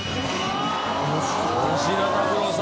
吉田拓郎さん。